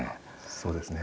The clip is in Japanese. そうですね。